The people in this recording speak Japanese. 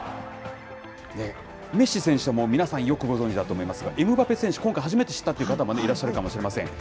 メッシ選手はもう、皆さん、よくご存じだと思いますが、エムバペ選手、今回初めて知ったという方もいらっしゃるかもしれません。